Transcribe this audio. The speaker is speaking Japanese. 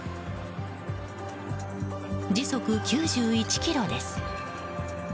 時速９１キロです。